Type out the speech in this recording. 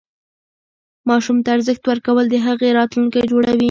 ماشوم ته ارزښت ورکول د هغه راتلونکی جوړوي.